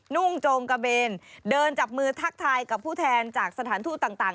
นุ่งโจงกระเบนเดินจับมือทักทายกับผู้แทนจากสถานทูตต่าง